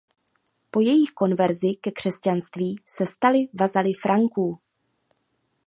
Po jejich konverzi ke křesťanství se stali vazaly Franků.